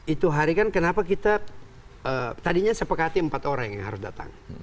itu hari kan kenapa kita tadinya sepakati empat orang yang harus datang